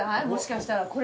もしかしたら。